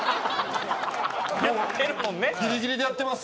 もうギリギリでやってます。